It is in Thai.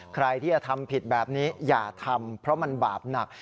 ใครที่จะทำผิดแบบนี้อย่าทำเพราะมันบาปหนัก